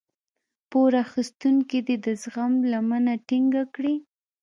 پور اخيستونکی دې د زغم لمنه ټينګه کړي.